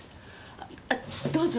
あどうぞ。